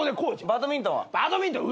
バドミントンは？